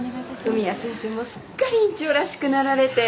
文也先生もすっかり院長らしくなられて。